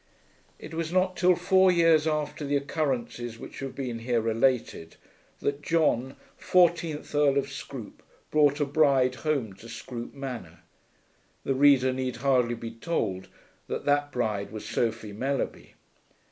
It was not till four years after the occurrences which have been here related that John fourteenth Earl of Scroope brought a bride home to Scroope Manor. The reader need hardly be told that that bride was Sophie Mellerby.